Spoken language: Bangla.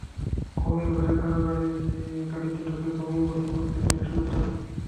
ঘুমের ঘোরে কারও গাড়িতে ঢুকে ঘুমিয়ে পড়েছেন বুঝতে পেরে ভীষণ লজ্জিত হলেন।